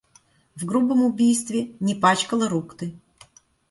В грубом убийстве не пачкала рук ты.